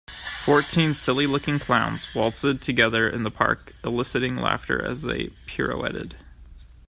Fourteen silly looking clowns waltzed together in the park eliciting laughter as they pirouetted.